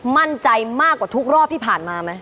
มั่นใจมากกว่าทุกรอบที่ผ่านมาไหม